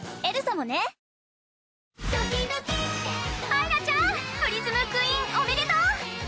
あいらちゃんプリズムクイーンおめでとう！